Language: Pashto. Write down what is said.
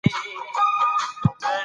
مکالمې د کلتور انعکاس کوي.